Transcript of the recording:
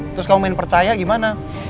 terus kamu main percaya gimana